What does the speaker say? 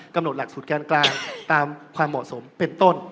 กำหนดหลักศูนย์แกนกลางตามความเหมาะสมเป็นต้น